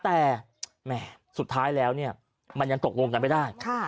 แต่แหมสุดท้ายแล้วเนี่ยมันยังตกลงกันไม่ได้